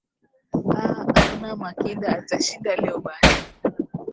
a anna makinda atashinda leo basi